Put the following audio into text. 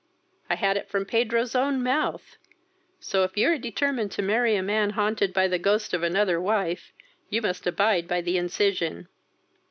I had it from Pedro's own mouth; so, if you are determined to marry a man haunted by the ghost of another wife, you must abide by the incision.